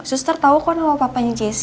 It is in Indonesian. suster tau kok nama papanya jesse